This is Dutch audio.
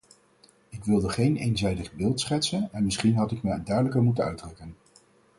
Ik wilde geen eenzijdig beeld schetsen en misschien had ik me duidelijker moeten uitdrukken.